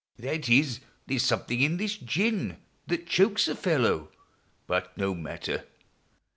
— That is, there 's something in this gin That chokes a fellow. But no matter